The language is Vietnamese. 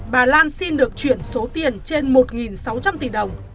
bà lan xin được chuyển số tiền trên một sáu trăm linh tỷ đồng